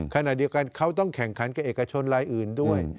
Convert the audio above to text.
ขณะเดียวกันเขาต้องแข่งขันกับเอกชนรายอื่นด้วย